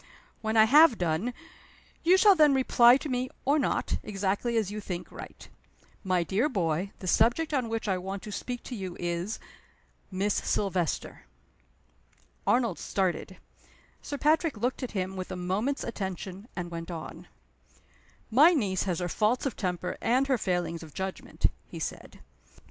When I have done, you shall then reply to me or not, exactly as you think right. My dear boy, the subject on which I want to speak to you is Miss Silvester." Arnold started. Sir Patrick looked at him with a moment's attention, and went on: "My niece has her faults of temper and her failings of judgment," he said.